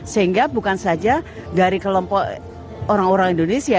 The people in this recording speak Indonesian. sehingga bukan saja dari kelompok orang orang indonesia